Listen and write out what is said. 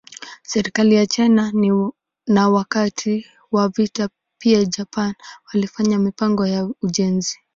Serikali za China na wakati wa vita pia Japan walifanya mipango ya ujenzi.